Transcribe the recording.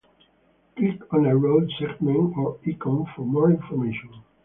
Click on a road segment or icon for more information.